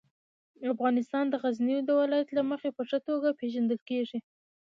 افغانستان د غزني د ولایت له مخې په ښه توګه پېژندل کېږي.